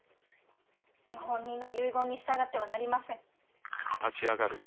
謀反人の遺言に従ってはなりません。